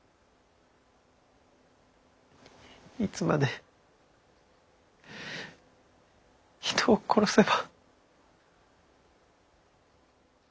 いつまで人を殺せば。